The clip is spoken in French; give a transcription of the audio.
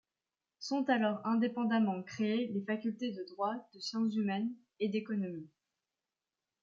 Sont alors indépendamment créées les facultés de Droit, de Sciences humaines et d'Économie.